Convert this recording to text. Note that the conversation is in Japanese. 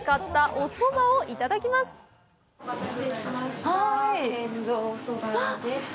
お待たせしました。